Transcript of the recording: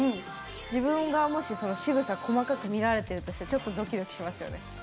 自分がもししぐさ細かくみられているとしてちょっとドキドキしますよね。